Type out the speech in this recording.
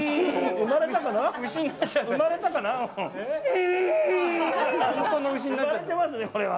生まれてますね、これは。